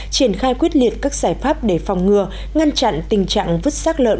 triển khai quyết liệt các giải pháp để phòng ngừa ngăn chặn tình trạng vứt sát lợn